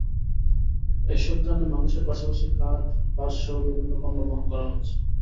এসব যানে মানুষের পাশাপাশি কাঠ, বাঁশসহ বিভিন্ন পণ্য বহন করা হচ্ছে।